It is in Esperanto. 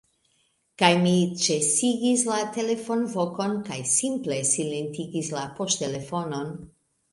Kaj mi ĉesigis la telefonvokon, kaj simple silentigis la poŝtelefonon.